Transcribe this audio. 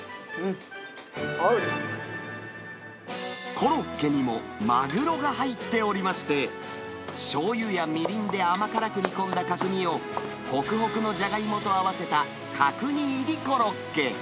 コロッケにもマグロが入っておりまして、しょうゆやみりんで甘辛く煮込んだ角煮を、ほくほくのジャガイモと合わせた角煮入りコロッケ。